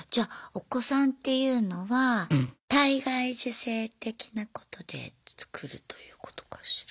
お子さんっていうのは体外受精的なことでつくるということかしら。